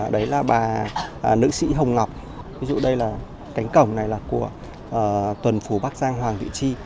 đấy là bà nữ sĩ hồng ngọc ví dụ đây là cánh cổng này là của tuần phú bác giang hoàng thị tri